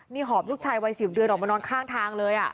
นี่หอบลูกชายวัย๑๐เดือนออกมานอนข้างทางเลย